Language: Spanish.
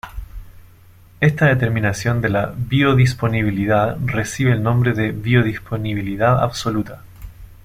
Esta determinación de la biodisponibilidad, recibe el nombre de biodisponibilidad absoluta.